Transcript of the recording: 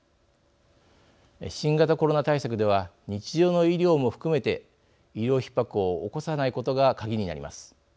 新型コロナ対策では日常の医療も含めて医療ひっ迫を起こさないことが鍵になります。